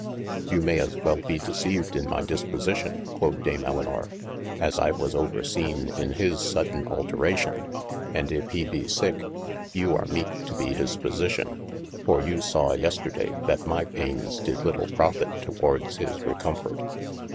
You maye as well be deceived in my disposition (quod Dame' Elinor), as I was overseene in his sodaine alteration : and if he be sicke, you are meete to be his phisition : for you sawe yesterday that my paines dyd lyttle profite towardes his recom fort.